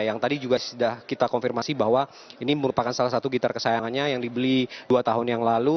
yang tadi juga sudah kita konfirmasi bahwa ini merupakan salah satu gitar kesayangannya yang dibeli dua tahun yang lalu